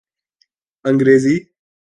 انگریزی